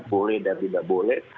boleh dan tidak boleh